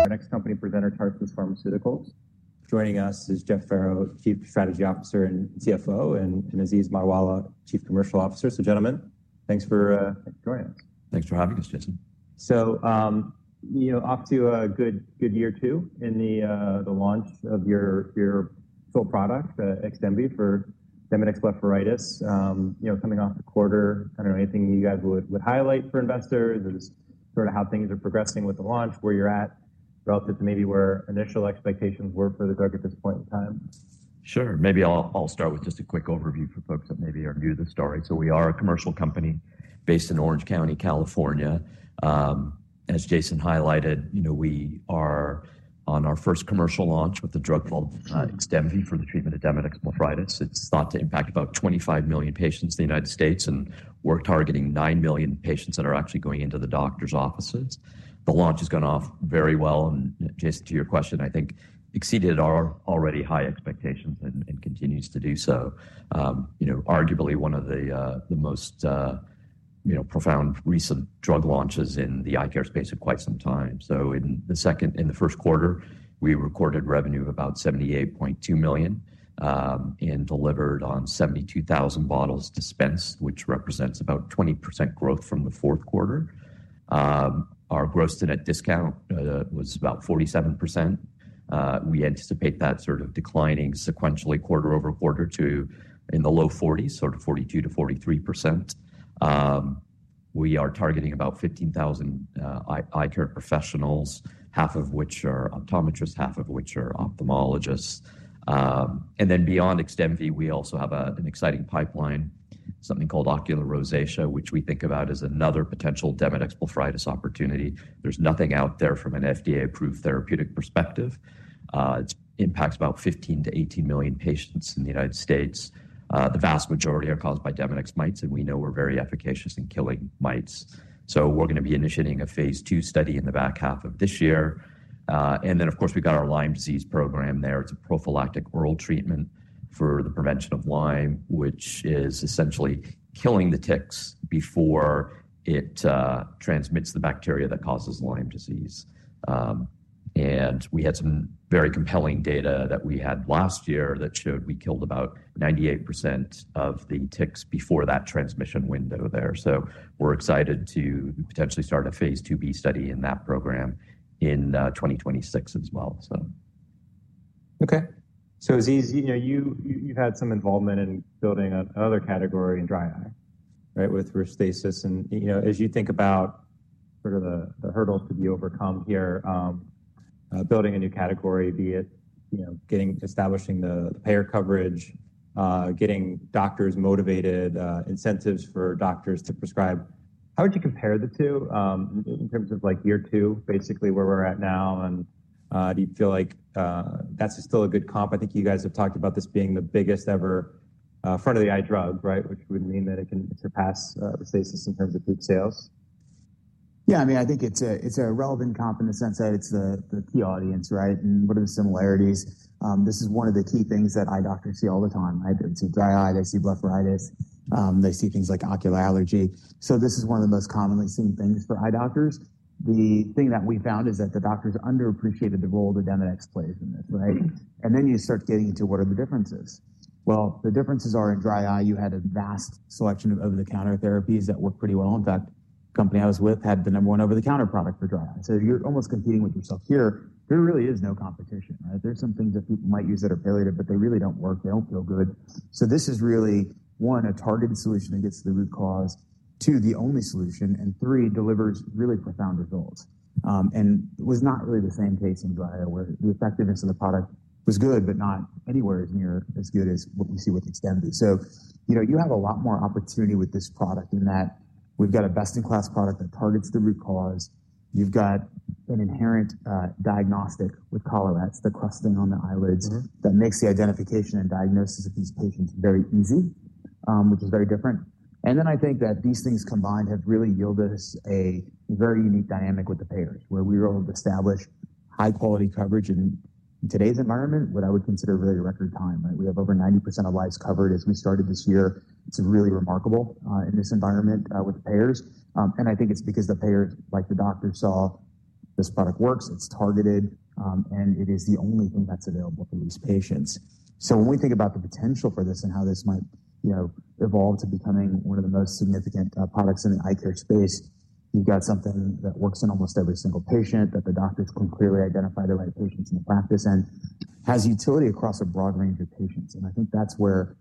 Our next company presenter, Tarsus Pharmaceuticals. Joining us is Jeff Farrow, Chief Strategy Officer and CFO, and Aziz Mottiwala, Chief Commercial Officer. Gentlemen, thanks for joining us. Thanks for having us, Jason. So, you know, off to a good year too in the launch of your full product, XDEMVY, for Demodex blepharitis. You know, coming off the quarter, I don't know, anything you guys would highlight for investors as sort of how things are progressing with the launch, where you're at relative to maybe where initial expectations were for the drug at this point in time? Sure. Maybe I'll start with just a quick overview for folks that maybe are new to the story. We are a commercial company based in Orange County, California. As Jason highlighted, you know, we are on our first commercial launch with a drug called XDEMVY for the treatment of Demodex blepharitis. It's thought to impact about 25 million patients in the United States and we're targeting 9 million patients that are actually going into the doctor's offices. The launch has gone off very well and, Jason, to your question, I think exceeded our already high expectations and continues to do so. You know, arguably one of the most, you know, profound recent drug launches in the eye care space of quite some time. In the first quarter, we recorded revenue of about $78.2 million and delivered on 72,000 bottles dispensed, which represents about 20% growth from the fourth quarter. Our gross-to-net discount was about 47%. We anticipate that sort of declining sequentially quarter over quarter to in the low 40%, sort of 42 to43%. We are targeting about 15,000 eye care professionals, half of which are optometrists, half of which are ophthalmologists. Beyond XDEMVY, we also have an exciting pipeline, something called ocular rosacea, which we think about as another potential Demodex blepharitis opportunity. There is nothing out there from an FDA-approved therapeutic perspective. It impacts about 15 million to 18 million patients in the United States. The vast majority are caused by Demodex blepharitis, and we know we are very efficacious in killing mites. We're going to be initiating a phase II study in the back half of this year. Of course, we've got our Lyme disease program there. It's a prophylactic oral treatment for the prevention of Lyme, which is essentially killing the ticks before it transmits the bacteria that causes Lyme disease. We had some very compelling data that we had last year that showed we killed about 98% of the ticks before that transmission window there. We're excited to potentially start a phase II-B study in that program in 2026 as well. Okay. Aziz, you know, you've had some involvement in building another category in dry eye, right, with Restasis. You know, as you think about sort of the hurdles to be overcome here, building a new category, be it, you know, getting establishing the payer coverage, getting doctors motivated, incentives for doctors to prescribe, how would you compare the two in terms of like year two, basically where we're at now? Do you feel like that's still a good comp? I think you guys have talked about this being the biggest ever front of the eye drug, right, which would mean that it can surpass Restasis in terms of group sales. Yeah, I mean, I think it's a relevant comp in the sense that it's the key audience, right? And what are the similarities? This is one of the key things that eye doctors see all the time. Right? They see dry eye, they see blepharitis, they see things like ocular allergy. This is one of the most commonly seen things for eye doctors. The thing that we found is that the doctors underappreciated the role that Demodex blepharitis plays in this, right? And then you start getting into what are the differences. The differences are in dry eye, you had a vast selection of over-the-counter therapies that work pretty well. In fact, the company I was with had the number one over-the-counter product for dry eye. You're almost competing with yourself here. There really is no competition, right? There's some things that people might use that are palliative, but they really don't work. They don't feel good. This is really, one, a targeted solution that gets to the root cause; two, the only solution; and three, delivers really profound results. It was not really the same case in dry eye where the effectiveness of the product was good, but not anywhere near as good as what we see with XDEMVY. You know, you have a lot more opportunity with this product in that we've got a best-in-class product that targets the root cause. You've got an inherent diagnostic with collarettes, the crusting on the eyelids that makes the identification and diagnosis of these patients very easy, which is very different. I think that these things combined have really yielded us a very unique dynamic with the payers where we were able to establish high-quality coverage in today's environment, what I would consider really a record time, right? We have over 90% of lives covered as we started this year. It's really remarkable in this environment with the payers. I think it's because the payers, like the doctor saw, this product works, it's targeted, and it is the only thing that's available for these patients. When we think about the potential for this and how this might, you know, evolve to becoming one of the most significant products in the eye care space, you've got something that works in almost every single patient, that the doctors can clearly identify the right patients in the practice and has utility across a broad range of patients. I think that's where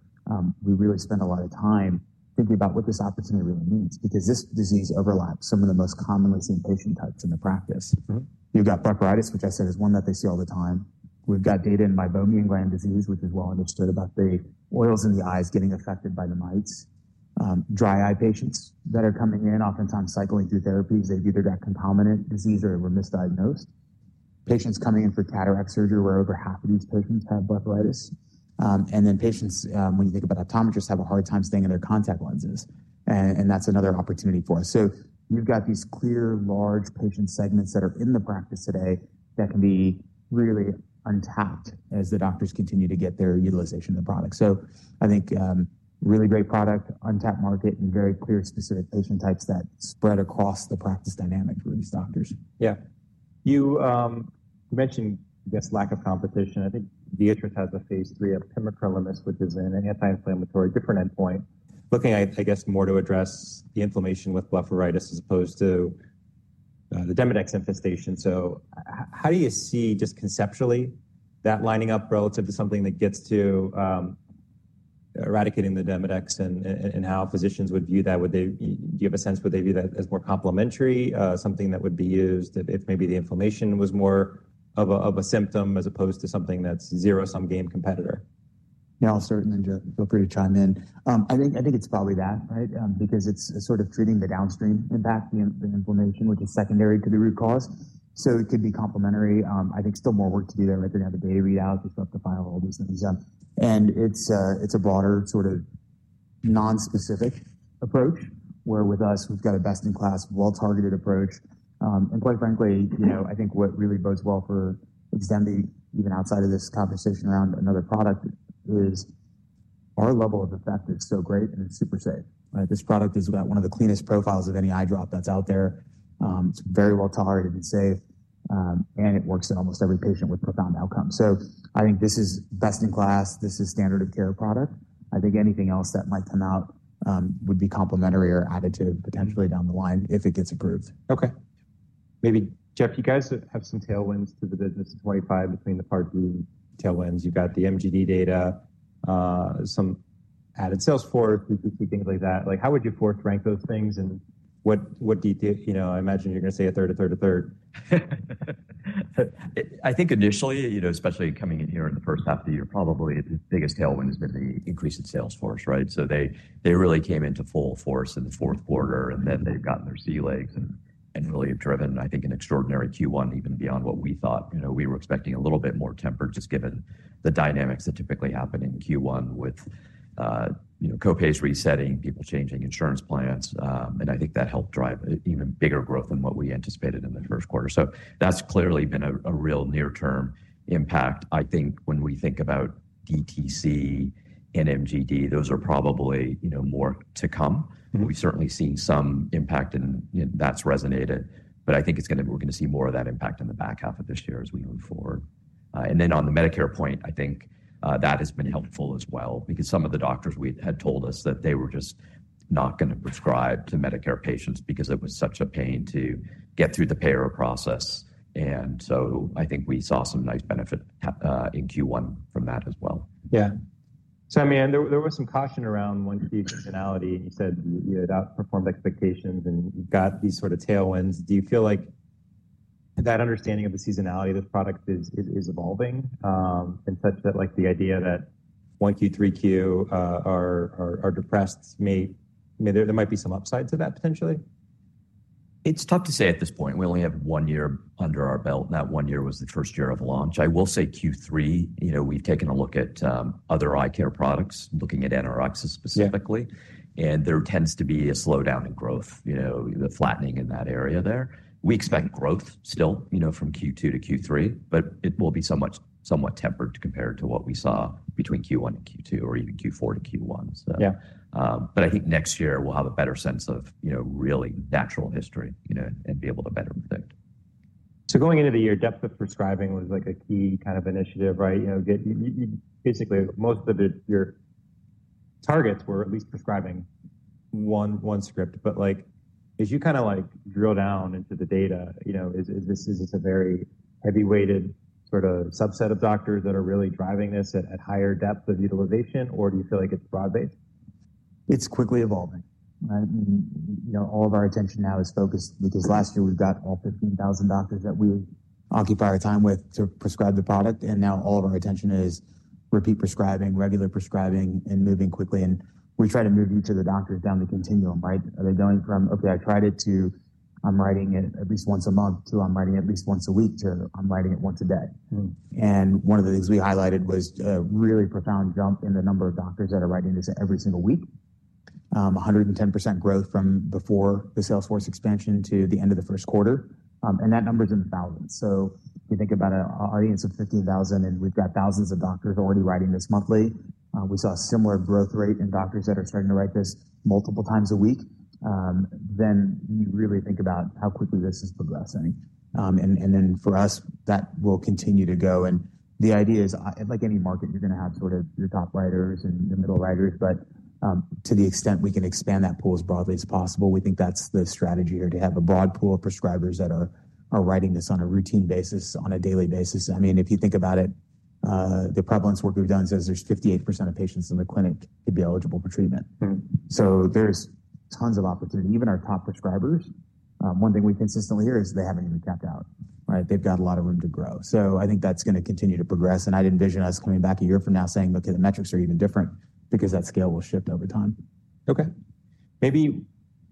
we really spend a lot of time thinking about what this opportunity really means, because this disease overlaps some of the most commonly seen patient types in the practice. You've got blepharitis, which I said is one that they see all the time. We've got data in Meibomian gland disease, which is well understood about the oils in the eyes getting affected by the mites. Dry eye patients that are coming in, oftentimes cycling through therapies, they've either got concomitant disease or were misdiagnosed. Patients coming in for cataract surgery where over half of these patients have blepharitis. Patients, when you think about optometrists, have a hard time staying in their contact lenses. That's another opportunity for us. You've got these clear, large patient segments that are in the practice today that can be really untapped as the doctors continue to get their utilization of the product. I think really great product, untapped market, and very clear specific patient types that spread across the practice dynamic for these doctors. Yeah. You mentioned, I guess, lack of competition. I think Bausch has a phase III of pimecrolimus, which is an anti-inflammatory, different endpoint, looking, I guess, more to address the inflammation with blepharitis as opposed to the Demodex infestation. How do you see just conceptually that lining up relative to something that gets to eradicating the Demodex and how physicians would view that? Do you have a sense? Would they view that as more complementary, something that would be used if maybe the inflammation was more of a symptom as opposed to something that's zero-sum game competitor? Yeah, I'll certainly feel free to chime in. I think it's probably that, right? Because it's sort of treating the downstream impact, the inflammation, which is secondary to the root cause. It could be complimentary. I think still more work to do there. They're going to have a data readout to start to file all these things. It's a broader sort of non-specific approach where with us, we've got a best-in-class, well-targeted approach. Quite frankly, you know, I think what really bodes well for XDEMVY, even outside of this conversation around another product, is our level of effect is so great and it's super safe, right? This product has got one of the cleanest profiles of any eye drop that's out there. It's very well tolerated and safe, and it works in almost every patient with profound outcomes. I think this is best-in-class. This is standard of care product. I think anything else that might come out would be complementary or additive potentially down the line if it gets approved. Okay. Maybe, Jeff, you guys have some tailwinds to the business in 2025 between the Part B tailwinds. You've got the MGD data, some added Salesforce, B2C, things like that. Like, how would you forth rank those things and what do you, you know, I imagine you're going to say a third, a third, a third. I think initially, you know, especially coming in here in the first half of the year, probably the biggest tailwind has been the increase in Salesforce, right? They really came into full force in the fourth quarter, and then they've gotten their sea legs and really have driven, I think, an extraordinary Q1, even beyond what we thought, you know, we were expecting a little bit more tempered just given the dynamics that typically happen in Q1 with, you know, copays resetting, people changing insurance plans. I think that helped drive even bigger growth than what we anticipated in the first quarter. That's clearly been a real near-term impact. I think when we think about DTC and MGD, those are probably, you know, more to come. We've certainly seen some impact and that's resonated, but I think we're going to see more of that impact in the back half of this year as we move forward. On the Medicare point, I think that has been helpful as well because some of the doctors had told us that they were just not going to prescribe to Medicare patients because it was such a pain to get through the payer process. I think we saw some nice benefit in Q1 from that as well. Yeah. So, I mean, there was some caution around Q1, Q2 seasonality and you said you had outperformed expectations and you've got these sort of tailwinds. Do you feel like that understanding of the seasonality of this product is evolving in such that like the idea that Q1, Q2, Q3 are depressed may, I mean, there might be some upside to that potentially? It's tough to say at this point. We only have one year under our belt. That one year was the first year of launch. I will say Q3, you know, we've taken a look at other eye care products looking at anti-oxidants specifically, and there tends to be a slowdown in growth, you know, the flattening in that area there. We expect growth still, you know, from Q2 to Q3, but it will be somewhat tempered compared to what we saw between Q1 and Q2 or even Q4 to Q1. I think next year we'll have a better sense of, you know, really natural history, you know, and be able to better predict. Going into the year, depth of prescribing was like a key kind of initiative, right? You know, basically most of your targets were at least prescribing one script. But like, as you kind of like drill down into the data, you know, is this a very heavy-weighted sort of subset of doctors that are really driving this at higher depth of utilization, or do you feel like it's broad-based? It's quickly evolving, right? You know, all of our attention now is focused because last year we've got all 15,000 doctors that we occupy our time with to prescribe the product. Now all of our attention is repeat prescribing, regular prescribing, and moving quickly. We try to move each of the doctors down the continuum, right? Are they going from, okay, I tried it to I'm writing it at least once a month to I'm writing it at least once a week to I'm writing it once a day. One of the things we highlighted was a really profound jump in the number of doctors that are writing this every single week, 110% growth from before the Salesforce expansion to the end of the first quarter. That number is in the thousands. If you think about an audience of 15,000 and we've got thousands of doctors already writing this monthly, we saw a similar growth rate in doctors that are starting to write this multiple times a week. You really think about how quickly this is progressing. For us, that will continue to go. The idea is like any market, you're going to have sort of your top writers and your middle writers, but to the extent we can expand that pool as broadly as possible, we think that's the strategy here to have a broad pool of prescribers that are writing this on a routine basis, on a daily basis. I mean, if you think about it, the prevalence work we've done says there's 58% of patients in the clinic could be eligible for treatment. There's tons of opportunity. Even our top prescribers, one thing we consistently hear is they haven't even capped out, right? They've got a lot of room to grow. I think that's going to continue to progress. I'd envision us coming back a year from now saying, okay, the metrics are even different because that scale will shift over time. Okay. Maybe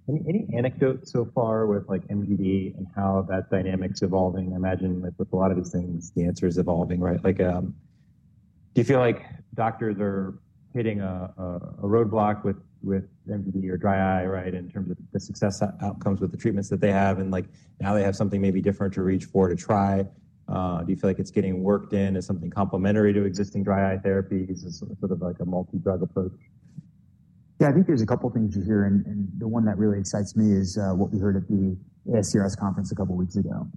any anecdote so far with like MGD and how that dynamic's evolving? I imagine with a lot of these things, the answer's evolving, right? Like, do you feel like doctors are hitting a roadblock with MGD or dry eye, right, in terms of the success outcomes with the treatments that they have? Like now they have something maybe different to reach for, to try. Do you feel like it's getting worked in as something complimentary to existing dry eye therapies? Is it sort of like a multi-drug approach? Yeah, I think there's a couple of things you hear. The one that really excites me is what we heard at the ASCRS conference a couple of weeks ago.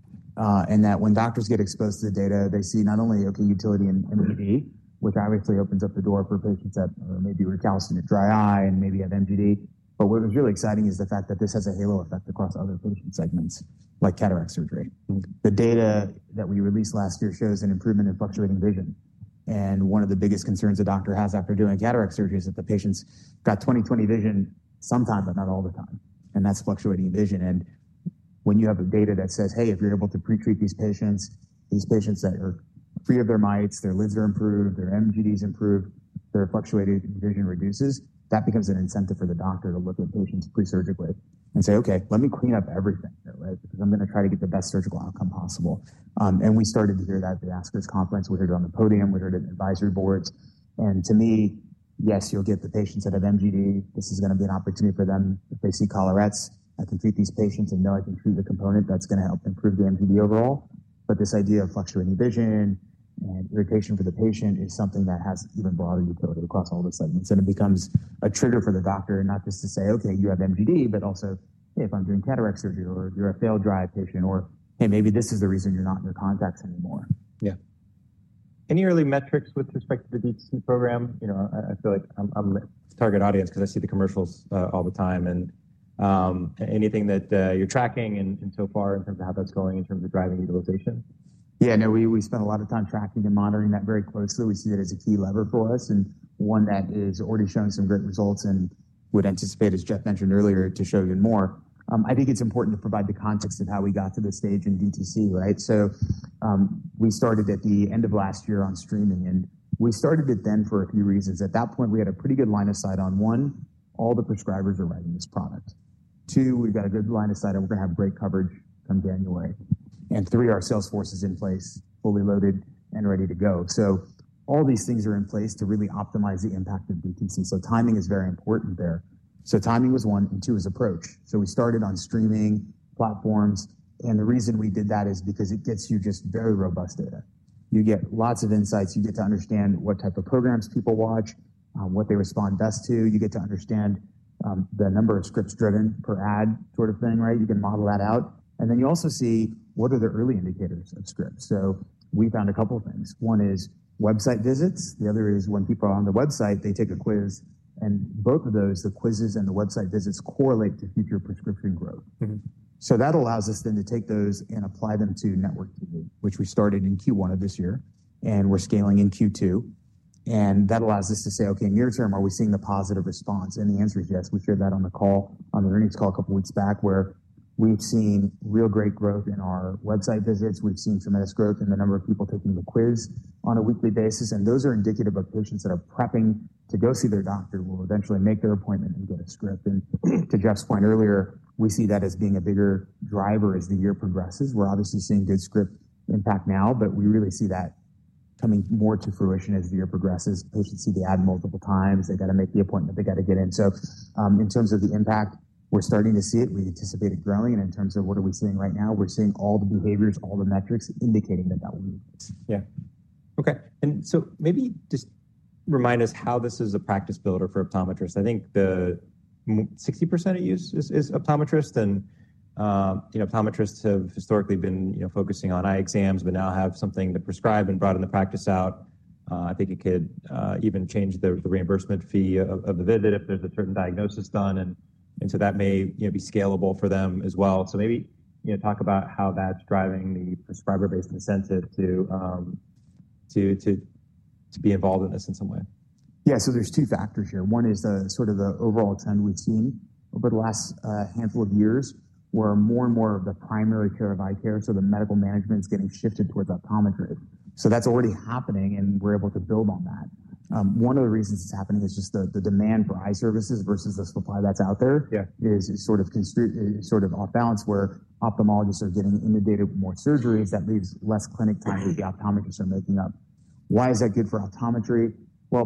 When doctors get exposed to the data, they see not only, okay, utility in MGD, which obviously opens up the door for patients that may be recalcitrant to dry eye and maybe have MGD. What was really exciting is the fact that this has a halo effect across other patient segments, like cataract surgery. The data that we released last year shows an improvement in fluctuating vision. One of the biggest concerns a doctor has after doing cataract surgery is that the patients got 20/20 vision sometimes, but not all the time. That's fluctuating vision. When you have data that says, hey, if you're able to pretreat these patients, these patients that are free of their mites, their lids are improved, their MGD's improved, their fluctuating vision reduces, that becomes an incentive for the doctor to look at patients presurgically and say, okay, let me clean up everything here, right? I am going to try to get the best surgical outcome possible. We started to hear that at the ASCRS conference. We heard it on the podium. We heard it in advisory boards. To me, yes, you'll get the patients that have MGD. This is going to be an opportunity for them. If they see collarettes, I can treat these patients and know I can treat the component that's going to help improve the MGD overall. This idea of fluctuating vision and irritation for the patient is something that has even broader utility across all the segments. It becomes a trigger for the doctor not just to say, okay, you have MGD, but also, hey, if I'm doing cataract surgery or you're a failed dry eye patient or, hey, maybe this is the reason you're not in your contacts anymore. Yeah. Any early metrics with respect to the DTC program? You know, I feel like I'm a target audience because I see the commercials all the time. Anything that you're tracking in so far in terms of how that's going in terms of driving utilization? Yeah, no, we spent a lot of time tracking and monitoring that very closely. We see that as a key lever for us and one that is already showing some great results and would anticipate, as Jeff mentioned earlier, to show even more. I think it's important to provide the context of how we got to this stage in DTC, right? We started at the end of last year on streaming, and we started it then for a few reasons. At that point, we had a pretty good line of sight on one, all the prescribers are writing this product. Two, we've got a good line of sight and we're going to have great coverage come January. Three, our Salesforce is in place, fully loaded and ready to go. All these things are in place to really optimize the impact of DTC. Timing is very important there. Timing was one and two is approach. We started on streaming platforms. The reason we did that is because it gets you just very robust data. You get lots of insights. You get to understand what type of programs people watch, what they respond best to. You get to understand the number of scripts driven per ad sort of thing, right? You can model that out. You also see what are the early indicators of scripts. We found a couple of things. One is website visits. The other is when people are on the website, they take a quiz. Both of those, the quizzes and the website visits, correlate to future prescription growth. That allows us then to take those and apply them to network TV, which we started in Q1 of this year and we're scaling in Q2. That allows us to say, okay, in your term, are we seeing the positive response? The answer is yes. We shared that on the call, on the earnings call a couple of weeks back where we've seen real great growth in our website visits. We've seen tremendous growth in the number of people taking the quiz on a weekly basis. Those are indicative of patients that are prepping to go see their doctor, will eventually make their appointment and get a script. To Jeff's point earlier, we see that as being a bigger driver as the year progresses. We're obviously seeing good script impact now, but we really see that coming more to fruition as the year progresses. Patients see the ad multiple times. They got to make the appointment. They got to get in. In terms of the impact, we're starting to see it. We anticipate it growing. In terms of what are we seeing right now, we're seeing all the behaviors, all the metrics indicating that that will increase. Yeah. Okay. Maybe just remind us how this is a practice builder for optometrists. I think 60% of use is optometrists. You know, optometrists have historically been, you know, focusing on eye exams, but now have something to prescribe and broaden the practice out. I think it could even change the reimbursement fee of the visit if there's a certain diagnosis done. That may be scalable for them as well. Maybe, you know, talk about how that's driving the prescriber-based incentive to be involved in this in some way. Yeah. So, there are two factors here. One is sort of the overall trend we've seen over the last handful of years where more and more of the primary care of eye care, so the medical management, is getting shifted towards optometry. That's already happening and we're able to build on that. One of the reasons it's happening is just the demand for eye services versus the supply that's out there is sort of off balance where ophthalmologists are getting inundated with more surgeries. That leaves less clinic time that the optometrists are making up. Why is that good for optometry?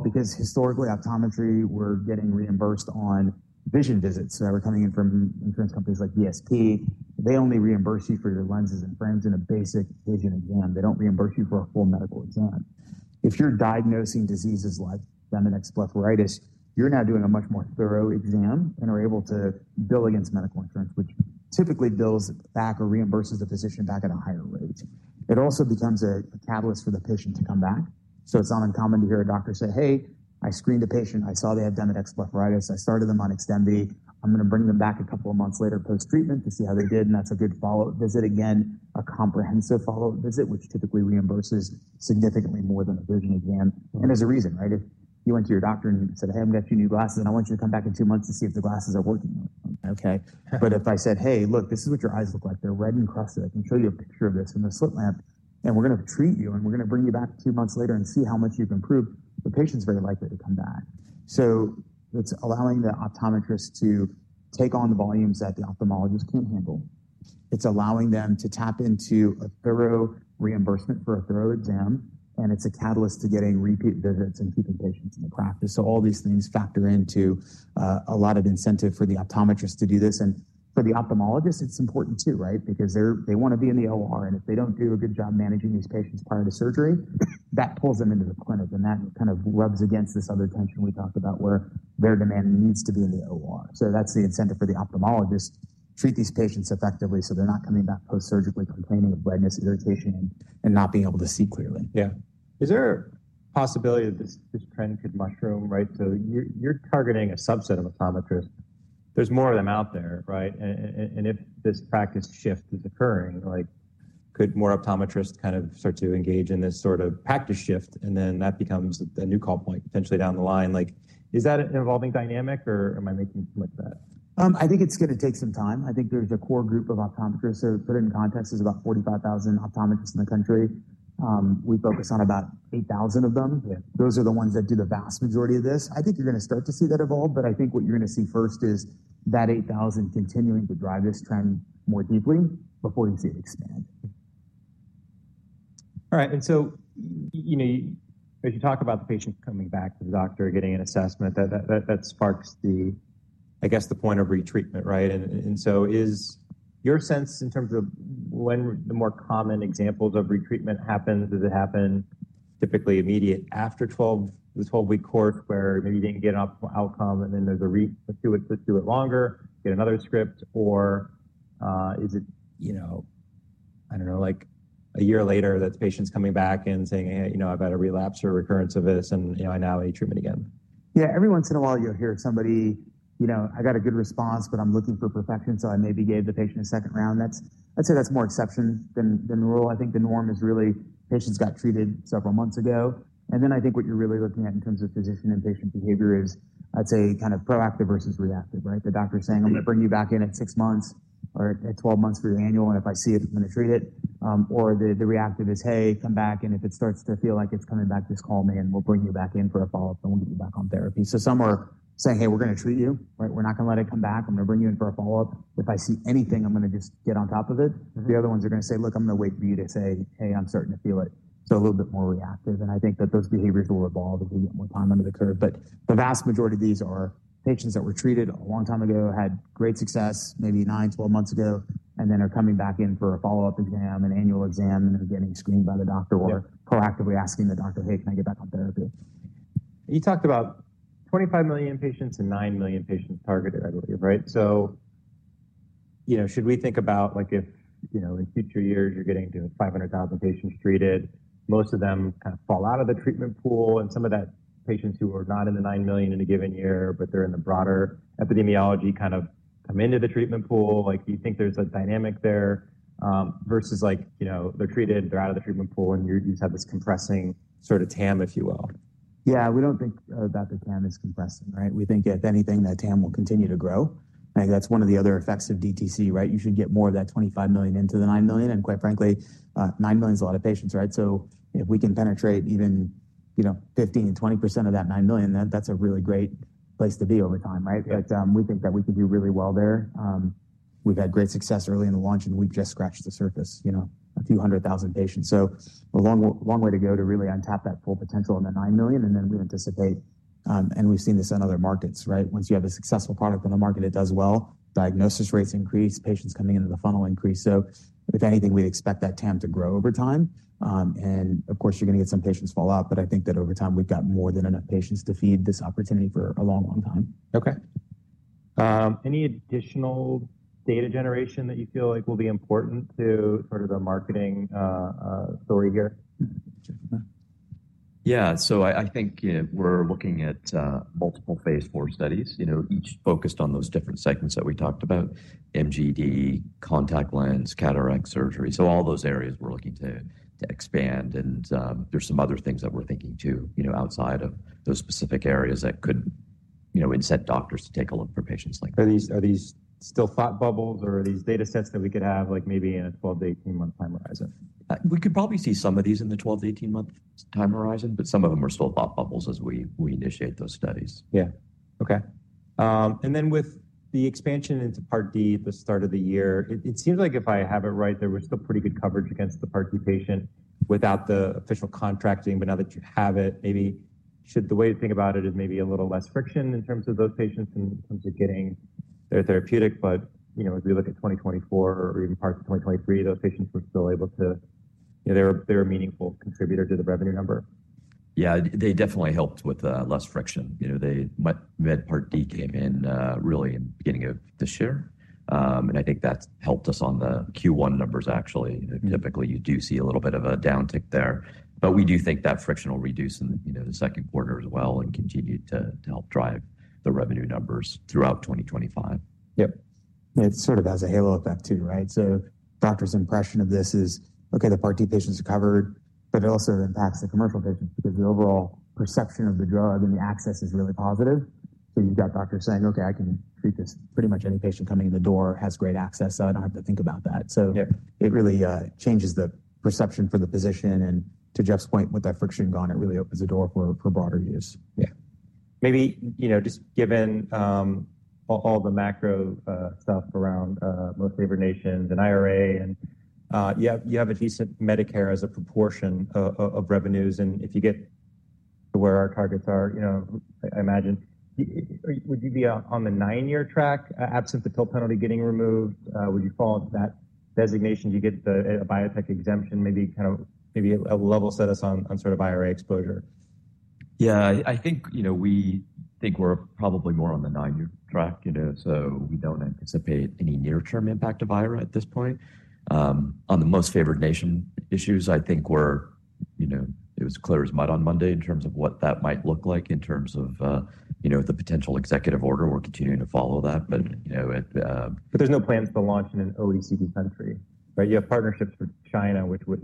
Because historically optometry, we're getting reimbursed on vision visits. We're coming in from insurance companies like VSP. They only reimburse you for your lenses and frames in a basic vision exam. They don't reimburse you for a full medical exam. If you're diagnosing diseases like Demodex blepharitis, you're now doing a much more thorough exam and are able to bill against medical insurance, which typically bills back or reimburses the physician back at a higher rate. It also becomes a catalyst for the patient to come back. It's not uncommon to hear a doctor say, hey, I screened the patient. I saw they had Demodex blepharitis. I started them on XDEMVY. I'm going to bring them back a couple of months later post-treatment to see how they did. That's a good follow-up visit. Again, a comprehensive follow-up visit, which typically reimburses significantly more than a vision exam. There's a reason, right? If you went to your doctor and said, hey, I'm going to get you new glasses and I want you to come back in two months to see if the glasses are working. Okay. If I said, hey, look, this is what your eyes look like. They're red and crusted. I can show you a picture of this in the slit lamp and we're going to treat you and we're going to bring you back two months later and see how much you've improved. The patient's very likely to come back. It's allowing the optometrist to take on the volumes that the ophthalmologist can't handle. It's allowing them to tap into a thorough reimbursement for a thorough exam. It's a catalyst to getting repeat visits and keeping patients in the practice. All these things factor into a lot of incentive for the optometrist to do this. For the ophthalmologists, it's important too, right? Because they want to be in the OR. If they do not do a good job managing these patients prior to surgery, that pulls them into the clinic. That kind of rubs against this other tension we talked about where their demand needs to be in the OR. That is the incentive for the ophthalmologist to treat these patients effectively so they are not coming back post-surgically complaining of redness, irritation, and not being able to see clearly. Yeah. Is there a possibility that this trend could mushroom, right? So, you're targeting a subset of optometrists. There's more of them out there, right? If this practice shift is occurring, could more optometrists kind of start to engage in this sort of practice shift and then that becomes a new call point potentially down the line? Is that an evolving dynamic or am I making too much of that? I think it's going to take some time. I think there's a core group of optometrists. To put it in context, there's about 45,000 optometrists in the country. We focus on about 8,000 of them. Those are the ones that do the vast majority of this. I think you're going to start to see that evolve, but I think what you're going to see first is that 8,000 continuing to drive this trend more deeply before you see it expand. All right. And so, you know, as you talk about the patients coming back to the doctor, getting an assessment, that sparks the, I guess, the point of retreatment, right? And so, is your sense in terms of when the more common examples of retreatment happen, does it happen typically immediate after the 12-week course where maybe you didn't get an optimal outcome and then there's a read to do it longer, get another script, or is it, you know, I don't know, like a year later that the patient's coming back and saying, hey, you know, I've had a relapse or a recurrence of this and you know I now need treatment again? Yeah, every once in a while you'll hear somebody, you know, I got a good response, but I'm looking for perfection, so I maybe gave the patient a second round. I'd say that's more exception than the rule. I think the norm is really patients got treated several months ago. I think what you're really looking at in terms of physician and patient behavior is, I'd say kind of proactive versus reactive, right? The doctor saying, I'm going to bring you back in at six months or at 12 months for your annual, and if I see it, I'm going to treat it. The reactive is, hey, come back, and if it starts to feel like it's coming back, just call me and we'll bring you back in for a follow-up and we'll get you back on therapy. Some are saying, hey, we're going to treat you, right? We're not going to let it come back. I'm going to bring you in for a follow-up. If I see anything, I'm going to just get on top of it. The other ones are going to say, look, I'm going to wait for you to say, hey, I'm starting to feel it. A little bit more reactive. I think that those behaviors will evolve as we get more time under the curve. The vast majority of these are patients that were treated a long time ago, had great success maybe nine, 12 months ago, and then are coming back in for a follow-up exam, an annual exam, and are getting screened by the doctor or proactively asking the doctor, hey, can I get back on therapy? You talked about 25 million patients and nine million patients targeted, I believe, right? You know, should we think about like if, you know, in future years you're getting to 500,000 patients treated, most of them kind of fall out of the treatment pool and some of that patients who are not in the nine million in a given year, but they're in the broader epidemiology kind of come into the treatment pool, like do you think there's a dynamic there versus like, you know, they're treated, they're out of the treatment pool and you just have this compressing sort of TAM, if you will? Yeah, we don't think that the TAM is compressing, right? We think if anything, that TAM will continue to grow. I think that's one of the other effects of DTC, right? You should get more of that 25 million into the nine million. And quite frankly, nine million is a lot of patients, right? If we can penetrate even, you know, 15%-20% of that nine million, that's a really great place to be over time, right? We think that we could do really well there. We've had great success early in the launch and we've just scratched the surface, you know, a few hundred thousand patients. A long way to go to really untap that full potential in the nine million. We anticipate, and we've seen this on other markets, right? Once you have a successful product in the market, it does well. Diagnosis rates increase. Patients coming into the funnel increase. If anything, we expect that TAM to grow over time. Of course, you're going to get some patients fall out, but I think that over time we've got more than enough patients to feed this opportunity for a long, long time. Okay. Any additional data generation that you feel like will be important to sort of the marketing story here? Yeah. So, I think we're looking at multiple phase IV studies, you know, each focused on those different segments that we talked about: MGD, contact lens, cataract surgery. All those areas we're looking to expand. And there's some other things that we're thinking too, you know, outside of those specific areas that could, you know, incent doctors to take a look for patients like that. Are these still thought bubbles or are these data sets that we could have like maybe in a 12-18 month time horizon? We could probably see some of these in the 12-18 month time horizon, but some of them are still thought bubbles as we initiate those studies. Yeah. Okay. With the expansion into Part D at the start of the year, it seems like if I have it right, there was still pretty good coverage against the Part D patient without the official contracting. Now that you have it, maybe the way to think about it is maybe a little less friction in terms of those patients in terms of getting their therapeutic. You know, as we look at 2024 or even parts of 2023, those patients were still able to, you know, they were a meaningful contributor to the revenue number. Yeah, they definitely helped with less friction. You know, the Med Part D came in really in the beginning of this year. I think that's helped us on the Q1 numbers actually. Typically, you do see a little bit of a downtick there. We do think that friction will reduce in the second quarter as well and continue to help drive the revenue numbers throughout 2025. Yep. It sort of has a halo effect too, right? Doctor's impression of this is, okay, the Part D patients are covered, but it also impacts the commercial patients because the overall perception of the drug and the access is really positive. You've got doctors saying, okay, I can treat this. Pretty much any patient coming in the door has great access, so I don't have to think about that. It really changes the perception for the physician. To Jeff's point, with that friction gone, it really opens the door for broader use. Yeah. Maybe, you know, just given all the macro stuff around most favored nations and IRA, and you have a decent Medicare as a proportion of revenues. And if you get to where our targets are, you know, I imagine, would you be on the nine-year track absolutely getting removed? Would you fall into that designation? Do you get a biotech exemption? Maybe kind of maybe level set us on sort of IRA exposure. Yeah, I think, you know, we think we're probably more on the nine-year track, you know, so we don't anticipate any near-term impact of IRA at this point. On the most favored nation issues, I think we're, you know, it was clear as mud on Monday in terms of what that might look like in terms of, you know, the potential executive order. We're continuing to follow that, but, you know. There are no plans to launch in an OECD country, right? You have partnerships with China, which would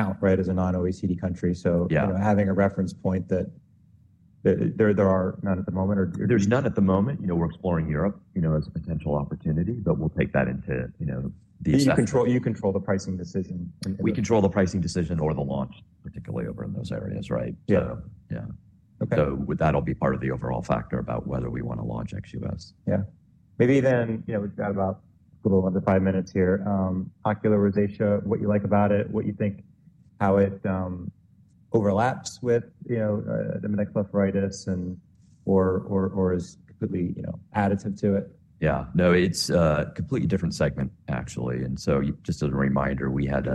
not count, right, as a non-OECD country. So, you know, having a reference point that there are none at the moment or. There's none at the moment. You know, we're exploring Europe, you know, as a potential opportunity, but we'll take that into. You control the pricing decision. We control the pricing decision or the launch, particularly over in those areas, right? So, yeah. Okay. That'll be part of the overall factor about whether we want to launch XUS. Yeah. Maybe then, you know, we've got about a little under five minutes here. Ocular rosacea, what you like about it, what you think, how it overlaps with, you know, Demodex blepharitis and/or is completely, you know, additive to it. Yeah. No, it's a completely different segment actually. And so, just as a reminder, we had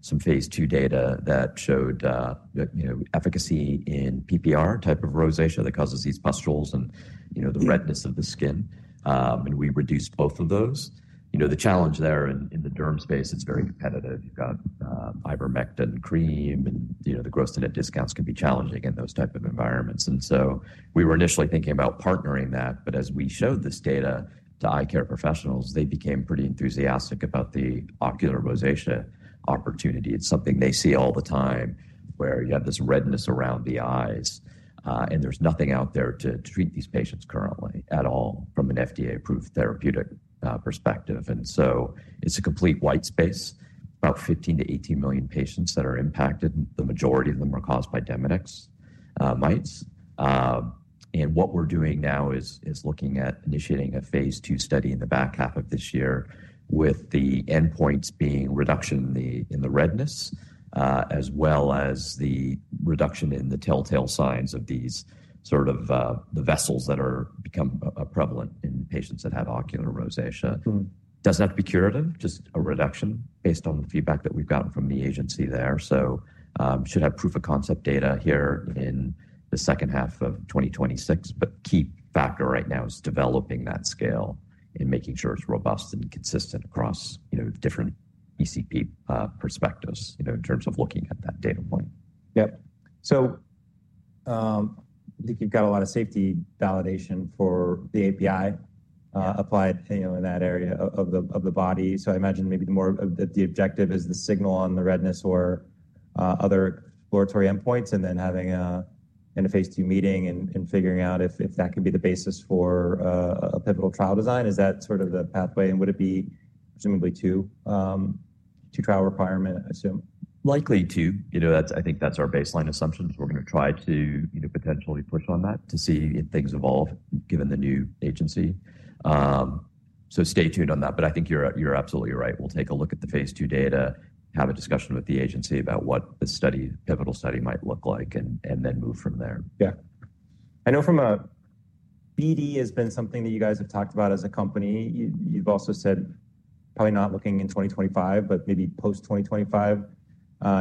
some phase II data that showed, you know, efficacy in PPR type of rosacea that causes these pustules and, you know, the redness of the skin. And we reduced both of those. You know, the challenge there in the derm space, it's very competitive. You've got Ivermectin cream and, you know, the gross net discounts can be challenging in those types of environments. And so, we were initially thinking about partnering that, but as we showed this data to eye care professionals, they became pretty enthusiastic about the ocular rosacea opportunity. It's something they see all the time where you have this redness around the eyes and there's nothing out there to treat these patients currently at all from an FDA-approved therapeutic perspective. It is a complete white space, about 15-18 million patients that are impacted. The majority of them are caused by Demodex mites. What we are doing now is looking at initiating a phase II study in the back half of this year with the endpoints being reduction in the redness as well as the reduction in the telltale signs of these, sort of the vessels that become prevalent in patients that have ocular rosacea. It does not have to be curative, just a reduction based on the feedback that we have gotten from the agency there. We should have proof of concept data here in the second half of 2026, but the key factor right now is developing that scale and making sure it is robust and consistent across, you know, different ECP perspectives, you know, in terms of looking at that data point. Yep. I think you've got a lot of safety validation for the API applied, you know, in that area of the body. I imagine maybe the more the objective is the signal on the redness or other exploratory endpoints and then having a phase II meeting and figuring out if that could be the basis for a pivotal trial design. Is that sort of the pathway? Would it be presumably two trial requirement, I assume? Likely two. You know, I think that's our baseline assumptions. We're going to try to, you know, potentially push on that to see if things evolve given the new agency. Stay tuned on that. I think you're absolutely right. We'll take a look at the phase II data, have a discussion with the agency about what the pivotal study might look like, and then move from there. Yeah. I know from a BD has been something that you guys have talked about as a company. You've also said probably not looking in 2025, but maybe post-2025,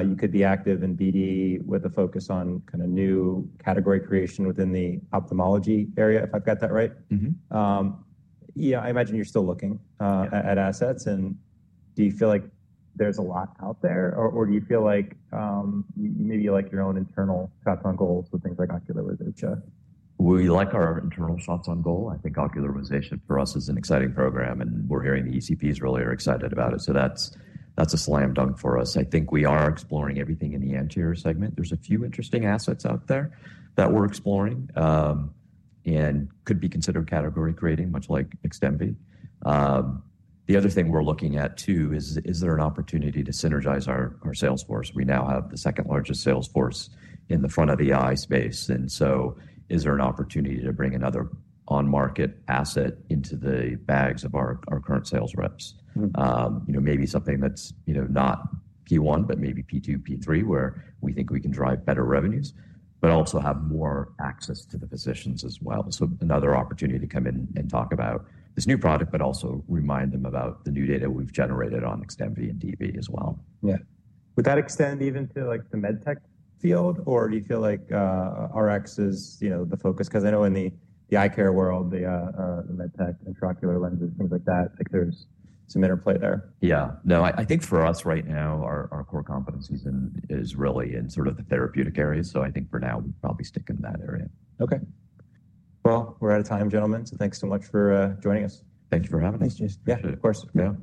you could be active in BD with a focus on kind of new category creation within the ophthalmology area, if I've got that right. Mm-hmm. Yeah, I imagine you're still looking at assets. Do you feel like there's a lot out there or do you feel like maybe you like your own internal shots on goals with things like ocularization? We like our internal shots on goal. I think ocular rosacea for us is an exciting program and we're hearing the ECPs really are excited about it. That's a slam dunk for us. I think we are exploring everything in the anterior segment. There are a few interesting assets out there that we're exploring and could be considered category creating, much like XDEMVY. The other thing we're looking at too is, is there an opportunity to synergize our sales force? We now have the second largest sales force in the front-of-the-eye space. Is there an opportunity to bring another on-market asset into the bags of our current sales reps? You know, maybe something that's, you know, not phase I, but maybe phase II, phase III where we think we can drive better revenues, but also have more access to the physicians as well. Another opportunity to come in and talk about this new product, but also remind them about the new data we've generated on XDEMVY and DB as well. Yeah. Would that extend even to like the med tech field or do you feel like Rx is, you know, the focus? Because I know in the eye care world, the med tech, intraocular lenses, things like that, like there's some interplay there. Yeah. No, I think for us right now, our core competency is really in sort of the therapeutic areas. I think for now we're probably sticking in that area. Okay. We are out of time, gentlemen. So, thanks so much for joining us. Thank you for having us. Appreciate it. Yeah, of course. Yeah.